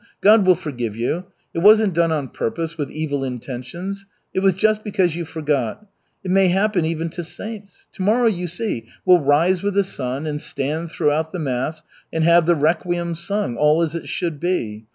God will forgive you. It wasn't done on purpose, with evil intentions. It was just because you forgot. It may happen even to saints. To morrow, you see, we'll rise with the sun, and stand throughout the mass and have the requiem sung all as it should be.